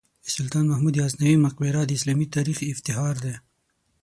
د سلطان محمود غزنوي مقبره د اسلامي تاریخ افتخار دی.